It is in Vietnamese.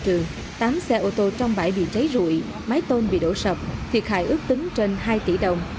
tám xe ô tô trong bãi bị cháy rụi mái tôn bị đổ sập thiệt hại ước tính trên hai tỷ đồng